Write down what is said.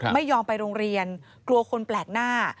ไม่ยอมไปโรงเรียนกลัวคนแปลกหน้า